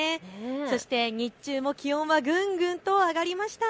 そして日中も気温がぐんぐん上がりました。